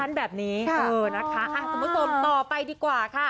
อะสัมผัสตรวจต่อไปดีกว่า